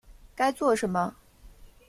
该做什么